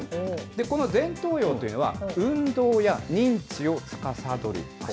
この前頭葉というのは、運動や認知をつかさどる場所。